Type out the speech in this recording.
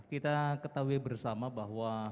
kita ketahui bersama bahwa